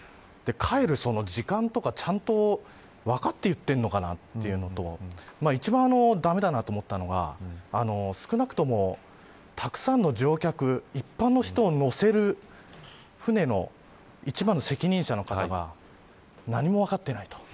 帰る時間とかちゃんと分かって言っているのかなというのと一番駄目だなと思ったのが少なくとも、たくさんの乗客一般の人を乗せる船の一番の責任者の方が何も分かっていないと。